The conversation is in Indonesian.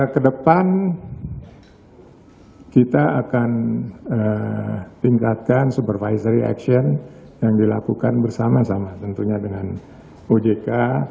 kedepan kita akan tingkatkan supervisory action yang dilakukan bersama sama tentunya dengan ojk